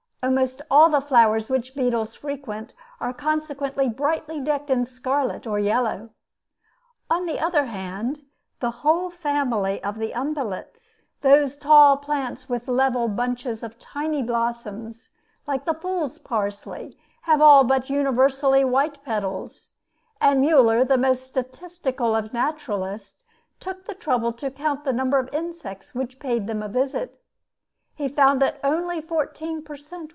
Almost all the flowers which beetles frequent are consequently brightly decked in scarlet or yellow. On the other hand, the whole family of the umbellates, those tall plants with level bunches of tiny blossoms, like the fool's parsley, have all but universally white petals; and Müller, the most statistical of naturalists, took the trouble to count the number of insects which paid them a visit. He found that only fourteen per cent.